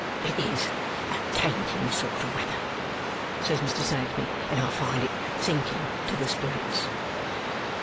"It IS a tainting sort of weather," says Mr. Snagsby, "and I find it sinking to the spirits."